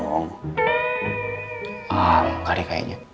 engga deh kayaknya